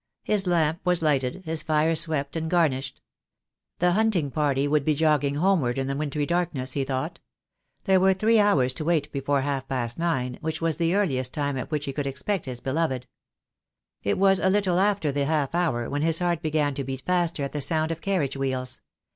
His lamp was lighted, his fire swept and garnished. The hunting party would be jogging homeward in the wintry darkness, he thought. There were three hours to wait before half past nine, which was the earliest time at which he could expect his beloved. It was a little after the half hour, when his heart began to beat faster at the sound of carriage wheels.